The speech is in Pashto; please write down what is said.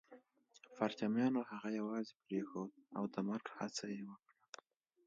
پرچمیانو هغه يوازې پرېښود او د مرګ هڅه يې وکړه